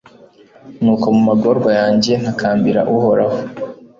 nuko mu magorwa yanjye, ntakambira uhoraho